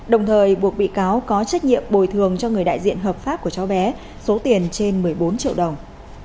đồng thời buộc bị cáo có trách nhiệm bồi thường cho người đại diện hợp pháp của cháu bé số tiền trên một mươi bốn triệu đồng